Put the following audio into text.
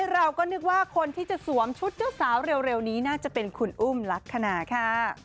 เราก็นึกว่าคนที่จะสวมชุดเจ้าสาวเร็วนี้น่าจะเป็นคุณอุ้มลักษณะค่ะ